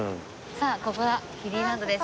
さあここがキデイランドです。